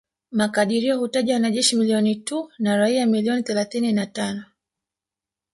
Makadirio hutaja wanajeshi milioni tu na raia milioni thelathini na tano